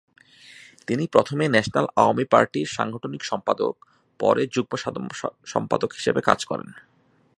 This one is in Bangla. তিনি প্রথমে ন্যাশনাল আওয়ামী পার্টির সাংগঠনিক সম্পাদক, পরে যুগ্ম সম্পাদক হিসেবে কাজ করেন।